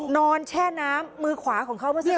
นอนแช่หน้ามือขวาของเขามาสิ